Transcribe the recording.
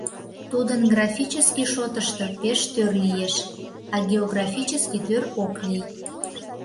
Тудын графически шотышто пеш тӧр лиеш, а географически тӧр ок лий.